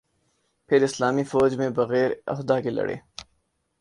پھر اسلامی فوج میں بغیر عہدہ کے لڑے